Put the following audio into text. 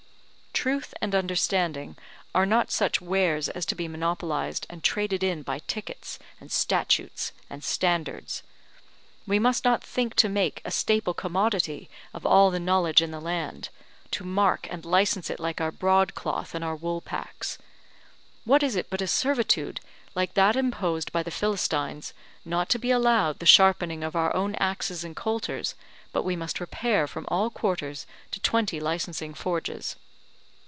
Truth and understanding are not such wares as to be monopolized and traded in by tickets and statutes and standards. We must not think to make a staple commodity of all the knowledge in the land, to mark and licence it like our broadcloth and our woolpacks. What is it but a servitude like that imposed by the Philistines, not to be allowed the sharpening of our own axes and coulters, but we must repair from all quarters to twenty licensing forges?